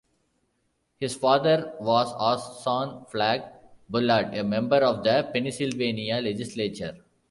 His father was Orson Flagg Bullard, a member of the Pennsylvania legislature.